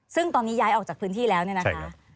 ซึ่งตอนนี้ย้ายออกจากพื้นที่แล้วเนี่ยนะคะ